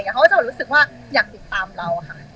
เขาก็จะรู้สึกว่าอยากติดตามเราค่ะ